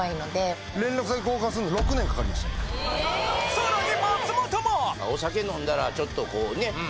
さらに松本も！